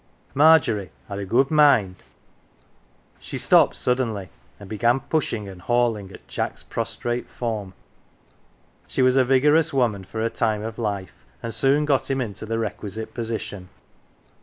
Margery had a good mind She stopped suddenly, and began pushing and hauling at Jack's prostrate form. She was a 'vigorous woman for her time of life, and soon got him into the requisite position.